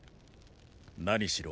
何しろ